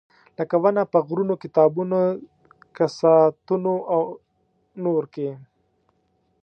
لکه ونه په غرونه، کتابونه، کساتونه او نور کې.